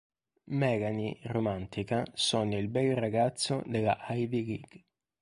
Melanie, romantica, sogna il bel ragazzo della Ivy League.